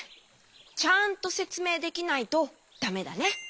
ちゃんとせつめいできないとだめだね。